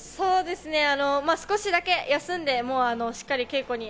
少しだけ休んで、もうしっかり稽古に。